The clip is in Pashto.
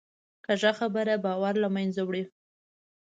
کوږه خبره باور له منځه وړي